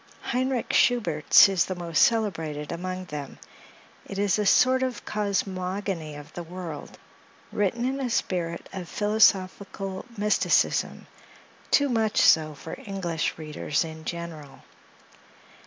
Heinrick Schubert's is the most celebrated among them; it is a sort of cosmogony of the world, written in a spirit of philosophical mysticism—too much so for English readers in general.